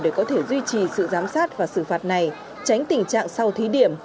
để có thể duy trì sự giám sát và xử phạt này tránh tình trạng sau thí điểm